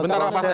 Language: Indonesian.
bentar pak sek